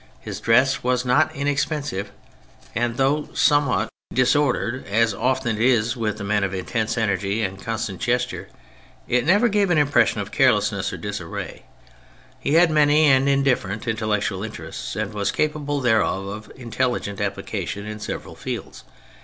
His dress was not inexpensive, and though somewhat THE CHARACTERS 71 disordered (as it often is with men of intense energy and constant gesture) it never gave an impression of carelessness or disarray. He had many and indifferent intellectual interests, and was capable, therefore, of intelligent application in several fields.